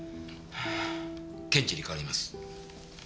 検事に代わります。